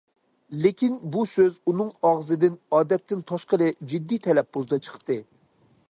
لېكىن بۇ سۆز ئۇنىڭ ئاغزىدىن ئادەتتىن تاشقىرى جىددىي تەلەپپۇزدا چىقتى.